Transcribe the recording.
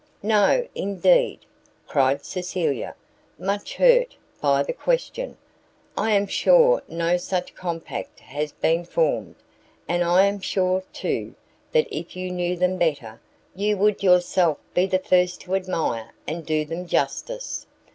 "No, indeed," cried Cecilia, much hurt by the question, "I am sure no such compact has been formed; and I am sure, too, that if you knew them better, you would yourself be the first to admire and do them justice."